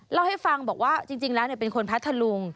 เล่าให้ฟังบอกว่าจริงแล้วเป็นคนพัทธลุง